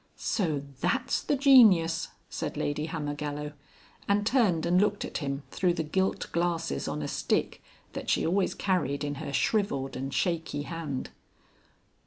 "So that's the genius!" said Lady Hammergallow, and turned and looked at him through the gilt glasses on a stick that she always carried in her shrivelled and shaky hand.